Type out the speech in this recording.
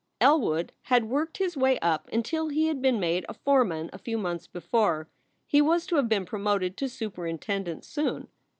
Elwood had worked his way up until he had been made a foreman a few months before. He was to have been promoted to superin tendent soon.